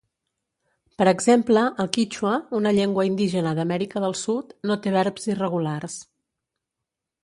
Per exemple, el quítxua, una llengua indígena d'Amèrica del Sud, no té verbs irregulars.